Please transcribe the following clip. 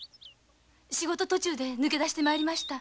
仕事の途中で抜け出して参りました。